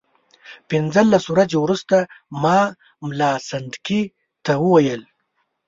پنځلس ورځې وروسته ما ملا سنډکي ته وویل.